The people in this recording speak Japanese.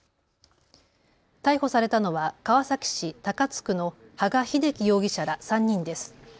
逮捕されたのは川崎市高津区の羽賀秀樹容疑者ら３人です。